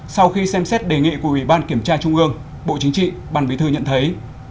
sau khi xem xét đề nghị của ủy ban kiểm tra trung ương bộ chính trị ban bí thư nhận thấy